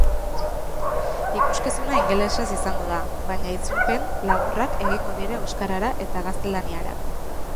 Ikuskizuna ingelesez izango da, baina itzulpen laburrak egingo dira euskarara eta gaztelaniara.